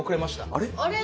あれ？